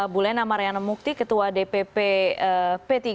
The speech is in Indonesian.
bulena mariana mukti ketua dpp p tiga